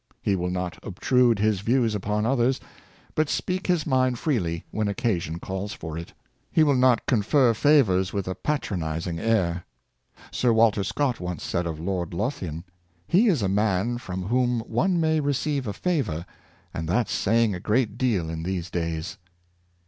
He will not obtrude his views upon others, but speak his mind freely when occasion calls for it. He will not confer favors with a patronizing air. Sir Walter Scott once said of Lord Lothian, " He is a man from whom one may re ceive a favor, and that's saying a great deal in these days."